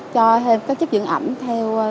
cho thêm các chất dưỡng ẩm theo